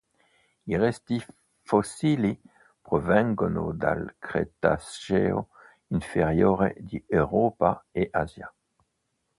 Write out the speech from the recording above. I resti fossili provengono dal Cretaceo inferiore di Europa e Asia.